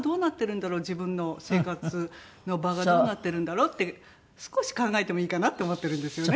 自分の生活の場がどうなってるんだろうって少し考えてもいいかなって思ってるんですよね。